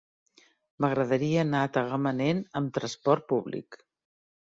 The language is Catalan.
M'agradaria anar a Tagamanent amb trasport públic.